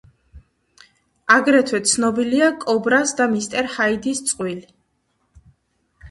აგრეთვე ცნობილია კობრას და მისტერ ჰაიდის წყვილი.